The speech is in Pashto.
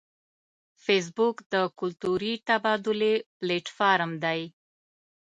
فېسبوک د کلتوري تبادلې پلیټ فارم دی